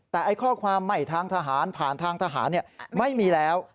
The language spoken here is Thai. แต่ข้อความใหม่ทางทหารผ่านทางทหารไม่มีแล้ว